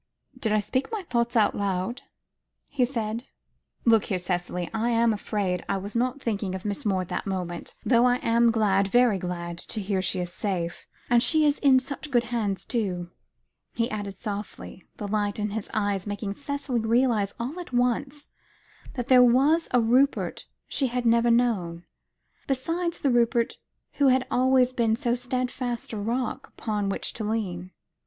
"Did I speak my thoughts aloud?" he said; "look here, Cicely, I am afraid I was not thinking of Miss Moore at that moment, though I am glad, very glad, to hear she is safe. And she is in such good hands, too," he added softly, the light in his eyes making Cicely realise all at once that there was a Rupert she had never known, besides the Rupert who had always been so steadfast a rock upon which to lean.